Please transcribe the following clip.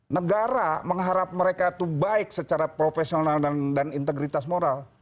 negara mengharap mereka itu baik secara profesional dan integritas moral